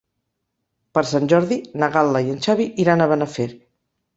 Per Sant Jordi na Gal·la i en Xavi iran a Benafer.